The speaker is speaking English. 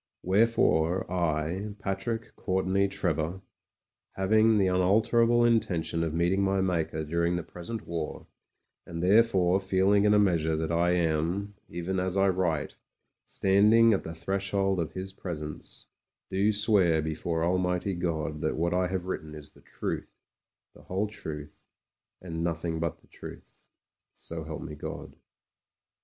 Wherefore I, Patrick Courtenay Trevor, having the unalterable intention of meeting my Maker during the present war, and therefore feeling in a measure that I am, even as I write, standing at the threshold of His Presence, do swear before Almighty God that what I have written is the truth, the whde truth, and nothing but the truth. So help me, God.